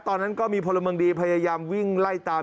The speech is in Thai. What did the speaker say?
ตอนนั้นก็มีพลเมืองดีพยายามวิ่งไล่ตาม